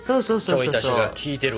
ちょい足しが効いてるわ。